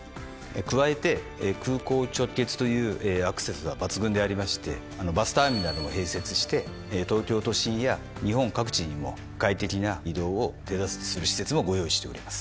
加えて空港直結というアクセスは抜群でありましてバスターミナルを併設して東京都心や日本各地にも快適な移動を手助けする施設もご用意しております。